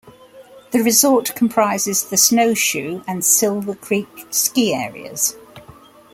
The resort comprises the Snowshoe and Silver Creek ski areas.